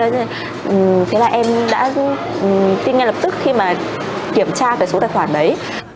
nên thế là em đã tin ngay lập tức khi mà kiểm tra cái số tài khoản đấy